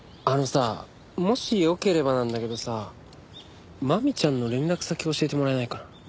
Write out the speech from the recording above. あのさもしよければなんだけどさマミちゃんの連絡先教えてもらえないかな？